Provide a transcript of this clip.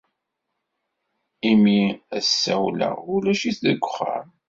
Imi as-ssawleɣ, ulac-it deg uxxam.